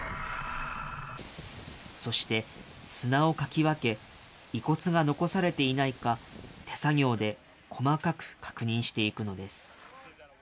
そして砂をかき分け、遺骨が残されていないか、手作業で細かく確認していくのです。